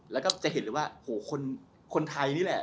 แล้วก็จะเห็นเลยว่าโหคนไทยนี่แหละ